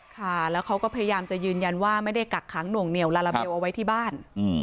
ค่ะแล้วเขาก็พยายามจะยืนยันว่าไม่ได้กักขังหน่วงเหนียวลาลาเบลเอาไว้ที่บ้าน